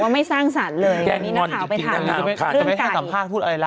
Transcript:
ไม่สั่งสรรค์เลย